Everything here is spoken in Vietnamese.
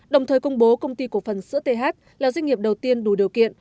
đồng thời công bố công ty cổ phần sữa th là doanh nghiệp đầu tiên đủ điều kiện